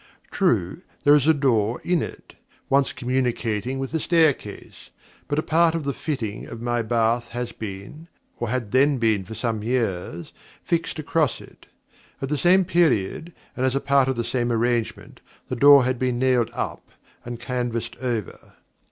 True, there is a door in it, once communicating with the staircase; but a part of the fitting of my bath has been and had then been for some years fixed across it. At the same period, and as a part of the same arrangement, the door had been nailed up and canvassed over.